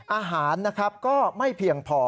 อาหารนะครับก็ไม่เพียงพอ